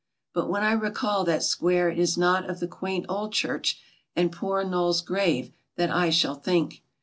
But when I recall that square it is not of the quaint old church and Poor Noll's grave that I shall think.